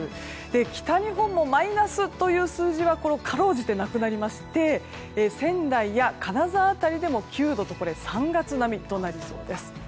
北日本もマイナスという数字はかろうじてなくなりまして仙台や金沢辺りでも９度と３月並みとなりそうです。